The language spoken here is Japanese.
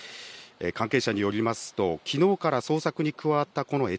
関係者によりますと、きのうから捜索に加わったこのえ